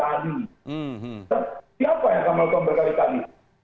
atau siapa yang akan melakukan berkali kali